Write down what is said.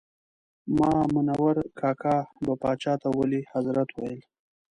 مامنور کاکا به پاچا ته ولي حضرت ویل.